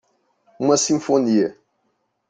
Uma sinfonia.